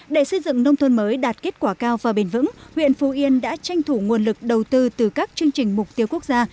để xây dựng nông thôn mới đạt kết quả cao và bền vững huyện phú yên đã tranh thủ nguồn lực đầu tư từ các chương trình mục tiêu quốc gia